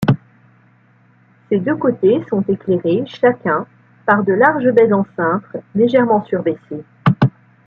Ses deux côtés sont éclairés, chacun, par de larges baies en cintre légèrement surbaissé.